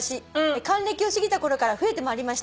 「還暦を過ぎたころから増えてまいりました」